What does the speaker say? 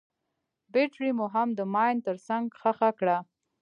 بټرۍ مو هم د ماين تر څنګ ښخه کړه.